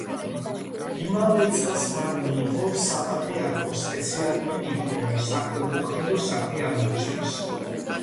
იმავე წელს მან მიიღო საპატრიარქოს სპეციალური დიპლომი საქველმოქმედო საქმიანობისთვის.